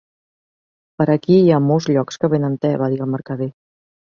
"Per aquí hi ha molts llocs que venen te", va dir el mercader.